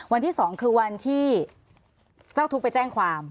วันที่๒คือวันที่เจ้าทุกข์ไปแจ้งความ